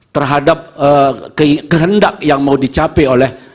terhadap kehendak yang mau dicapai oleh